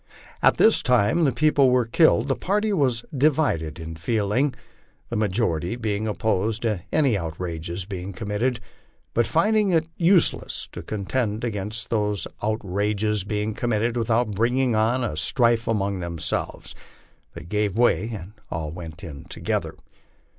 At the time these people were killed, the party was divided in feeling, the ma jority being opposed to any outrages being committed ; but finding it useless to contend against these outrages being committed without bringing on a strife among themselves, they gave way and all went in together.